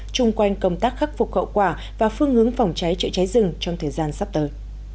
chung quanh công tác khắc phục khẩu quả và phương ứng phòng cháy trợ cháy rừng trong thời gian sắp tới